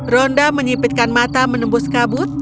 ronda menyipitkan mata menembus kabut